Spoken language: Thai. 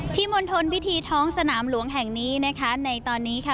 มณฑลพิธีท้องสนามหลวงแห่งนี้นะคะในตอนนี้ค่ะ